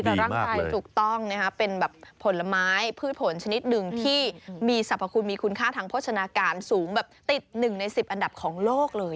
แต่ร่างกายถูกต้องนะคะเป็นแบบผลไม้พืชผลชนิดหนึ่งที่มีสรรพคุณมีคุณค่าทางโภชนาการสูงแบบติด๑ใน๑๐อันดับของโลกเลย